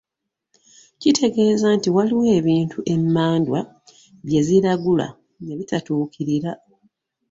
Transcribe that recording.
Kitegeeza nti waliwo ebintu emmandwa bye ziragula ne bitatuukirira.